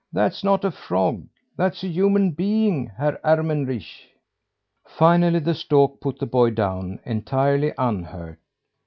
That's not a frog. That's a human being, Herr Ermenrich." Finally the stork put the boy down entirely unhurt.